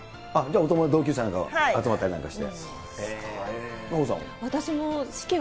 お友達、同級生なんかと集まったりなんかして。